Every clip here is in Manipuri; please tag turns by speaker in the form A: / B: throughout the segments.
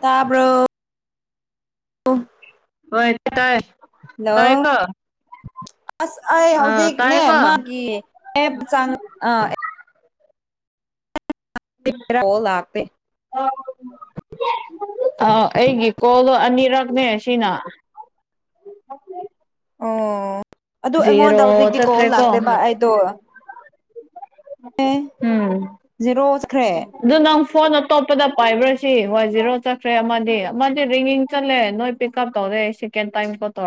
A: ꯇꯕ꯭ꯔꯣ
B: ꯍꯣꯏ ꯇꯥꯏ ꯇꯥꯏꯦ
A: ꯍꯜꯂꯣ
B: ꯀꯣ
A: ꯑꯁ ꯑꯩ ꯍꯧꯖꯤꯛꯅꯦ ꯃꯥꯒꯤ ꯑꯦꯞ ꯆꯥꯡ ꯀꯣꯜ ꯂꯥꯛꯇꯦ
B: [inaudible] ꯑꯥ ꯑꯩꯒꯤ ꯀꯣꯜꯗꯣ ꯑꯅꯤꯔꯛꯅꯦ ꯁꯤꯅ
A: ꯑꯣ ꯑꯗꯨ
B: ꯖꯦꯔꯣ
A: ꯑꯩꯉꯣꯟꯗ ꯍꯧꯖꯤꯛꯇꯤ ꯀꯣꯜ
B: ꯆꯠꯈ꯭ꯔꯦꯀꯣ
A: ꯂꯥꯛꯇꯦꯕ ꯑꯩꯗꯣ
B: ꯎꯝ
A: ꯖꯦꯔꯣ ꯆꯠꯈ꯭ꯔꯦ
B: ꯑꯗꯨ ꯅꯪ ꯐꯣꯟ ꯑꯇꯣꯞꯄꯗ ꯄꯥꯏꯕ꯭ꯔꯥꯁꯤ ꯋꯥꯏ ꯖꯤꯔꯣ ꯆꯠꯈ꯭ꯔꯦ ꯑꯃꯗꯤ ꯑꯃꯗꯤ ꯔꯤꯡꯒꯤꯡ ꯆꯠꯂꯦ ꯅꯣꯏ ꯄꯤꯛꯑꯞ ꯇꯧꯔꯦ ꯁꯦꯀꯦꯟ ꯇꯥꯏꯝ ꯀꯣꯜ [unintelligible]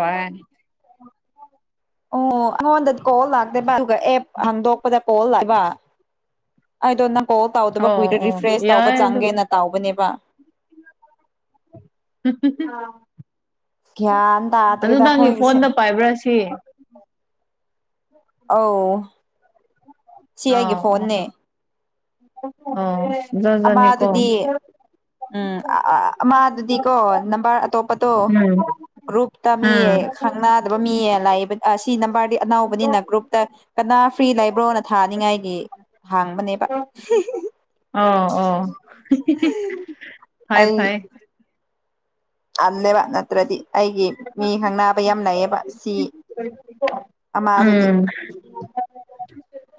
A: ꯑꯣ ꯑꯉꯣꯟꯗꯗꯤ ꯀꯣꯜ ꯂꯥꯛꯇꯦꯕ ꯑꯗꯨꯒ ꯑꯦꯞ ꯍꯥꯟꯗꯣꯛꯄꯗ ꯀꯣꯜ ꯂꯥꯛꯏꯕ ꯑꯩꯗꯣ ꯅꯪ ꯀꯣꯜ ꯇꯧꯗꯕ
B: ꯑꯣ
A: ꯀꯨꯏꯔꯦ
B: ꯑꯣ
A: ꯔꯤꯐ꯭ꯔꯦꯁ ꯇꯧꯕ
B: ꯌꯥꯏ ꯑꯗꯨ
A: ꯆꯪꯒꯦꯅ ꯇꯥꯎꯕꯅꯦꯕ ꯒ꯭ꯌꯥꯟ
B: ꯑꯗꯨ
A: ꯇꯥꯗ꯭ꯔꯦꯗ
B: ꯅꯪꯒꯤ
A: ꯑꯩꯈꯣꯏꯒꯤꯁꯦ
B: ꯐꯣꯟꯗ ꯄꯥꯏꯕ꯭ꯔꯥꯁꯤ
A: ꯑꯧ ꯁꯤ
B: ꯑ
A: ꯑꯩꯒꯤ ꯐꯣꯟꯅꯦ
B: ꯑꯣ ꯖꯥꯖꯅꯤ ꯀꯣ
A: ꯑꯃꯗꯨꯗꯤ ꯎꯝ ꯑꯃꯗꯨꯗꯤꯀꯣ ꯅꯝꯕꯔ ꯑꯇꯣꯞꯄꯗꯣ
B: ꯎꯝ
A: ꯒ꯭ꯔꯨꯞꯇ ꯃꯤ
B: ꯎꯝ
A: ꯈꯪꯅꯗꯕ ꯃꯤꯌꯦ ꯂꯥꯛꯏꯕ ꯁꯤ ꯅꯝꯕꯔꯗꯤ ꯑꯅꯧꯕꯅꯤꯅ ꯒ꯭ꯔꯨꯞ ꯀꯅꯥ ꯐ꯭ꯔꯤ ꯂꯩꯕ꯭ꯔꯣꯅ ꯊꯥꯅꯤꯉꯥꯏꯒꯤ ꯍꯥꯡꯕꯅꯦ
B: ꯑꯣ ꯑꯣ ꯐꯥꯏ
A: ꯑꯩ
B: ꯐꯥꯏ
A: ꯇꯜꯂꯦꯕ ꯅꯠꯇ꯭ꯔꯗꯤ ꯑꯩꯒꯤ ꯃꯤ ꯈꯪꯅꯕ ꯌꯥꯝ ꯂꯩꯩꯌꯦꯕ ꯁꯤ ꯑꯃ ꯑꯗꯨꯗꯤ
B: ꯎꯝ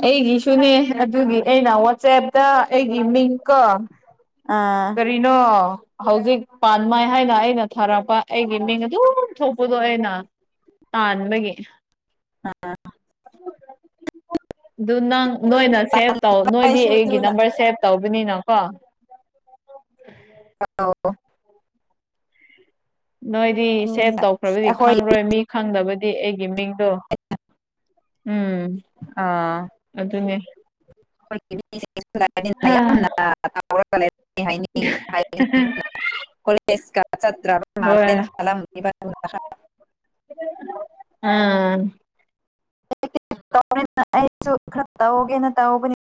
B: ꯑꯩꯒꯤꯁꯨꯅꯦ ꯑꯗꯨꯒꯤ ꯑꯩꯅ ꯋꯥꯆꯦꯞꯇ ꯑꯩꯒꯤ ꯃꯤꯡꯀꯣ
A: ꯑꯥ
B: ꯀꯔꯤꯅꯣ ꯍꯧꯖꯤꯛ ꯄꯥꯟ ꯃꯥꯏ ꯍꯥꯏꯅ ꯑꯩꯅ ꯊꯥꯔꯛꯄ ꯑꯩꯒꯤ ꯃꯤꯡ ꯑꯗꯨꯝ ꯊꯣꯛꯄꯗꯣ ꯑꯩꯅ ꯇꯥꯜꯕꯒꯤ ꯑꯗꯨ ꯅꯪ ꯅꯣꯏꯅ ꯁꯦꯚ ꯇꯧ ꯅꯣꯏꯗꯤ
A: ꯑꯩꯁꯨ
B: ꯑꯩꯒꯤ
A: ꯑꯗꯨꯅ
B: ꯅꯝꯕꯔ ꯁꯦꯚ ꯇꯧꯕꯅꯤꯅ ꯀꯣ
A: ꯑ [unintelligible]
B: ꯅꯣꯏꯗꯤ
A: ꯑꯗꯨꯅꯦ
B: ꯁꯦꯚ ꯇꯧꯈ꯭ꯔꯕꯗꯤ
A: ꯑꯩꯈꯣꯏ
B: ꯈꯪꯔꯣꯏ ꯃꯤ ꯈꯪꯗꯕꯗꯤ ꯑꯩꯒꯤ ꯃꯤꯡꯗꯣ ꯎꯝ
A: ꯑꯥ
B: ꯑꯗꯨꯅꯦ ꯍꯥ
A: ꯍꯥꯏ ꯭ꯔ
B: ꯍꯣꯏ
A: [unintelligible]
B: ꯎꯝ
A: ꯇꯦ ꯑꯩꯁꯨ ꯈꯔ ꯇꯧꯎꯒꯦꯅ ꯇꯧꯍꯒꯅꯦ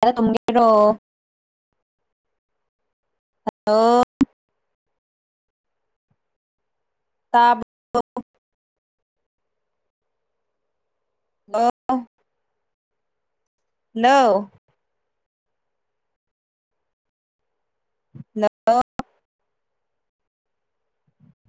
A: ꯇꯒꯦꯔꯣ [unintelligible] ꯑ [inaudible] ꯑ ꯇꯥꯞ ꯅꯧ ꯍꯜꯂꯣ